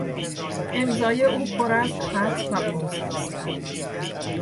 امضای او پراز خط و قوس است.